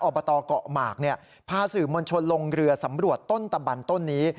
อบตเกาะหมากพาสื่อมวลชนลงเรือสำรวจต้นตะบันต้นนี้